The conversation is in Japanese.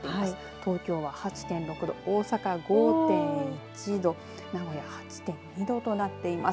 東京は８．６度、大阪５．１度名古屋８．２度となっています。